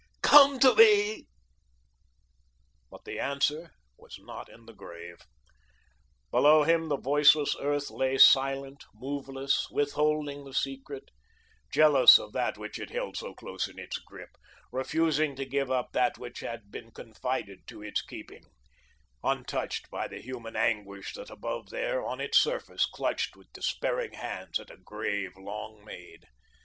Come to me." But the Answer was not in the Grave. Below him the voiceless Earth lay silent, moveless, withholding the secret, jealous of that which it held so close in its grip, refusing to give up that which had been confided to its keeping, untouched by the human anguish that above there, on its surface, clutched with despairing hands at a grave long made.